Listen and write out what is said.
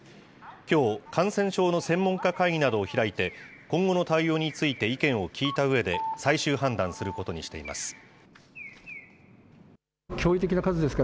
きょう、感染症の専門家会議などを開いて、今後の対応について意見を聞いたうえで、最終判断することにしています。